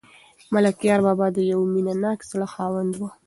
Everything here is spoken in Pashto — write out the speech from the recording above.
ملکیار بابا د یو مینه ناک زړه خاوند و.